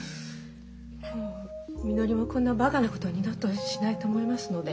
もうみのりもこんなバカなことは二度としないと思いますので。